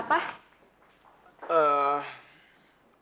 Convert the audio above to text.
mau pesen apa